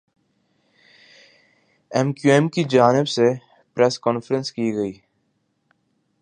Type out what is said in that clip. M Q M کی جانب سے پریس کانفرنس کی گئی